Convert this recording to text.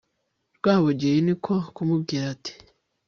rwabugiri ni ko kumubwira ati